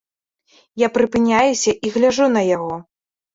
Я прыпыняюся і гляджу на яго.